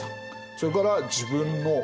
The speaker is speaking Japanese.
それから自分の家族